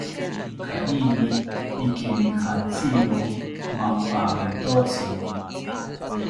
Charini ikemijantziro mampamentotzi